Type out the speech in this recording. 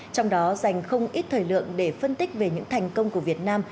trong đó dành không ít thời lượng để phân tích về những thành công của việt nam